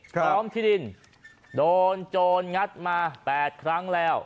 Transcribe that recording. พร้อมที่ดินโดนโจรงัดมา๘ครั้งแล้ว